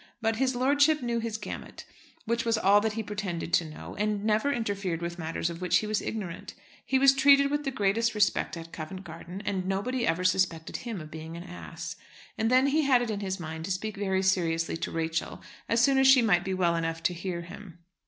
But his lordship knew his gamut, which was all that he pretended to know, and never interfered with matters of which he was ignorant. He was treated with the greatest respect at Covent Garden, and nobody ever suspected him of being an ass. And then he had it in his mind to speak very seriously to Rachel as soon as she might be well enough to hear him.